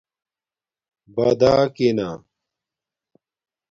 باداکینݳ